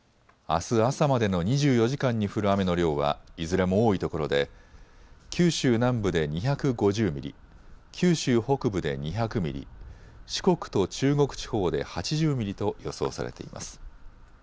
あす朝までの２４時間に降る雨の量はいずれも多いところで九州南部で２５０ミリ、九州北部で２００ミリ、四国と中国地方で８０ミリと予想されています。